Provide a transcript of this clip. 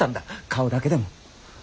顔だけでも。